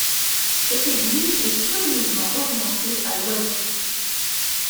Cette église est curieusement orientée à l'ouest.